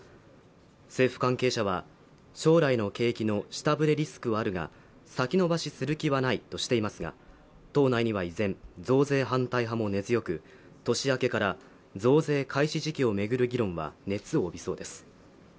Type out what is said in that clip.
政府関係者は将来の景気の下振れリスクはあるが先延ばしする気はないとしていますが党内には依然、増税反対派も根強く年明けから増税開始時期をめぐる議論が熱を帯びそうです